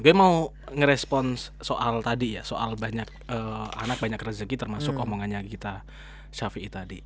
gue mau ngerespon soal tadi ya soal banyak anak banyak rezeki termasuk omongannya kita ⁇ syafii ⁇ tadi